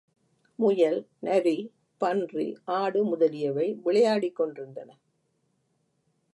முயல், நரி, பன்றி, ஆடு முதலியவை விளையாடிக்கொண்டிருந்தன.